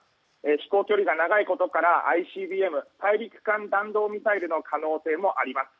飛行距離が長いことからＩＣＢＭ・大陸間弾道ミサイルの可能性もあります。